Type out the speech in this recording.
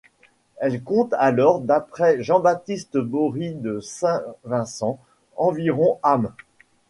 Elle compte alors, d'après Jean-Baptiste Bory de Saint-Vincent environ âmes.